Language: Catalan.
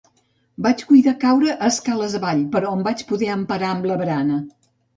Vaig cuidar caure escales avall, però em vaig poder emparar amb la barana.